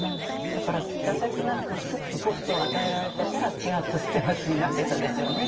だから挫折なくスッとポストを与えられてたら違った捨松になってたでしょうね。